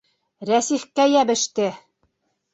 Рәсихкә йәбеште!